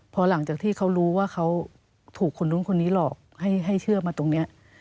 พอหลังจากที่เขารู้ว่าเขาถูกคนนู้นคนนี้หลอกให้เชื่อมาตรงนี้